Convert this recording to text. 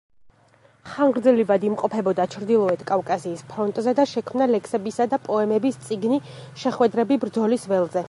ხანგრძლივად იმყოფებოდა ჩრდილოეთ კავკასიის ფრონტზე და შექმნა ლექსებისა და პოემების წიგნი „შეხვედრები ბრძოლის ველზე“.